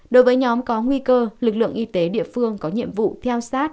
đối với nhóm có nguy cơ lực lượng y tế địa phương có nhiệm vụ theo sát